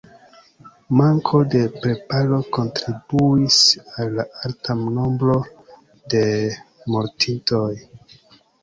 Manko de preparo kontribuis al la alta nombro de mortintoj.